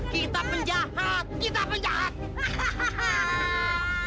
kita penjahat kita penjahat